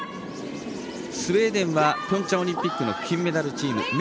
スウェーデンはピョンチャンオリンピック金メダルチーム。